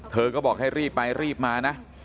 เธอก็บอกให้รีบไปรีบมานะ